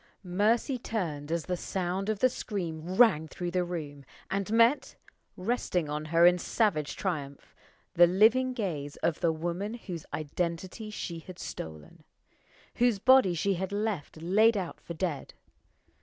Mercy turned as the sound of the scream rang through the room, and met resting on her in savage triumph the living gaze of the woman whose identity she had stolen, whose body she had left laid out for dead.